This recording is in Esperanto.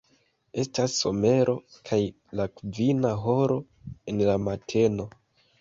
Estas somero kaj la kvina horo en la mateno.